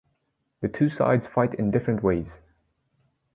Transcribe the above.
The two sides fight in different ways.